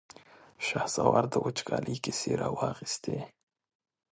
شهسوار د وچکالۍ کيسې را واخيستې.